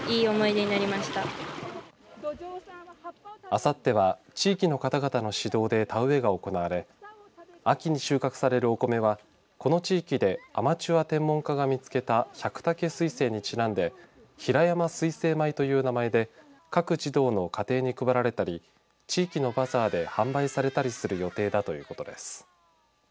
あさっては地域の方々の指導で田植えが行われ秋に収穫されるお米はこの地域でアマチュア天文家が見つけた百武彗星にちなんで平山彗星米という名前で各児童の家庭に配られたり地域のバザーで販売されたりする予定だということです。